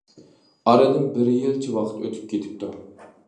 ئارىدىن بىر يىلچە ۋاقىت ئۆتۈپ كېتىپتۇ.